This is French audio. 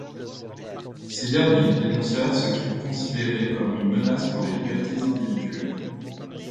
Ces derniers dénoncèrent ce qu'ils considéraient comme une menace pour les libertés individuelles.